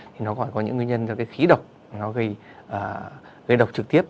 thì nó còn có những nguyên nhân về khí độc nó gây độc trực tiếp